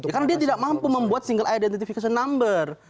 karena dia tidak mampu membuat single identification number